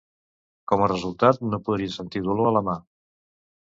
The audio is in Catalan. Com a resultat, no podia sentir dolor a la mà.